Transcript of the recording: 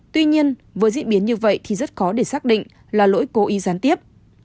tuy nhiên với diễn biến như vậy thì rất khó để xác định là lỗi cố ý gián tiếp